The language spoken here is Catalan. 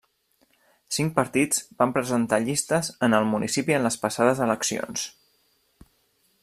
Cinc partits van presentar llistes en el municipi en les passades eleccions.